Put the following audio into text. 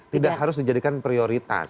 tidak harus dijadikan prioritas